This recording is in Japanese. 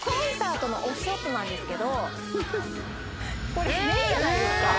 これ変じゃないですか？